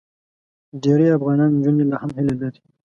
ډېری افغان نجونې لا هم هیله لري.